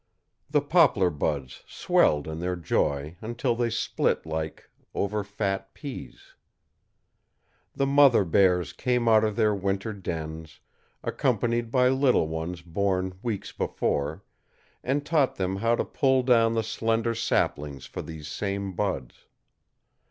The poplar buds swelled in their joy until they split like over fat peas. The mother bears come out of their winter dens, accompanied by little ones born weeks before, and taught them how to pull down the slender saplings for these same buds.